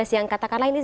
yang katakan lain nih